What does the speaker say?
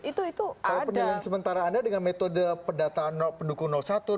kalau penilaian sementara anda dengan metode pendukung satu dua